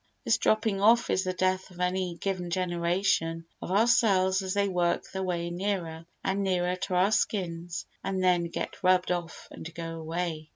This dropping off is the death of any given generation of our cells as they work their way nearer and nearer to our skins and then get rubbed off and go away.